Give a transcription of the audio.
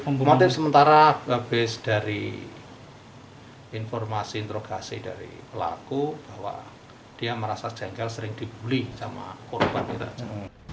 memotif sementara berbasis dari informasi interogasi dari pelaku bahwa dia merasa jengkel sering dibuli sama korban diraja